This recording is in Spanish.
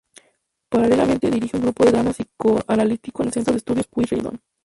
Paralelamente dirige un grupo de Drama Psicoanalítico en el Centro de Estudios Pueyrredón.